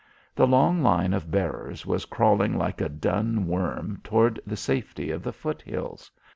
The long line of bearers was crawling like a dun worm toward the safety of the foot hills.